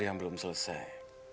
yang belum selesai